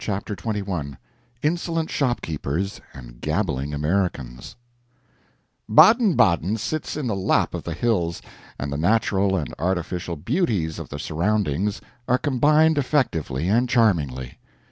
CHAPTER XXI [Insolent Shopkeepers and Gabbling Americans] Baden Baden sits in the lap of the hills, and the natural and artificial beauties of the surroundings are combined effectively and charmingly.